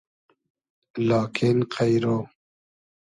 لاکین قݷرۉ